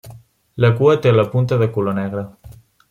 La cua té la punta de color negre.